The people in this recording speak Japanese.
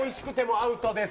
アウトでーす。